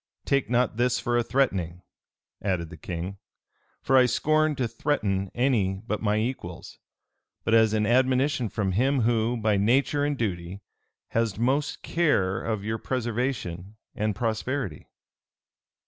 Take not this for a threatening," added the king, "for I scorn to threaten any but my equals; but as an admonition from him who, by nature and duty, has most care of your preservation and prosperity."